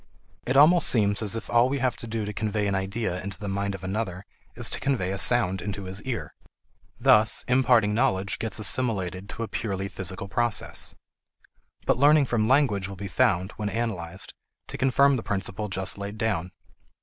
It almost seems as if all we have to do to convey an idea into the mind of another is to convey a sound into his ear. Thus imparting knowledge gets assimilated to a purely physical process. But learning from language will be found, when analyzed, to confirm the principle just laid down.